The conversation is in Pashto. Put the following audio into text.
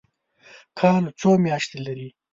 کال څو میاشتې لري؟